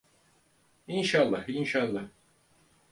İnşallah, inşallah…